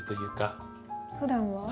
ふだんは？